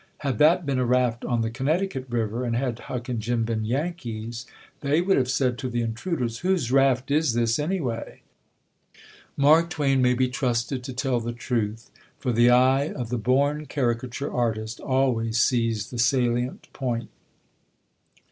Had that been a raft on the Connecticut River, and had Huck and Jim been Yankees, they would have said to the intruders, "Whose raft is this, anyway?" Mark Twain may be trusted to tell the truth; for the eye of the born caricature artist always sees the salient point.